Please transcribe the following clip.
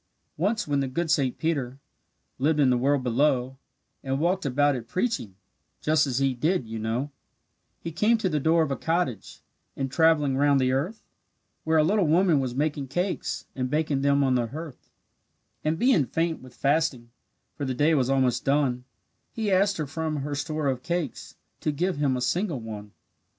Once, when the good Saint Peter Lived in the world below, And walked about it, preaching, Just as he did, you know, He came to the door of a cottage, In travelling round the earth, Where a little woman was making cakes And baking them on the hearth; And being faint with fasting, For the day was almost done, He asked her from her store of cakes To give him a single one.